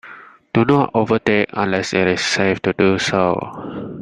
Do not overtake unless it is safe to do so.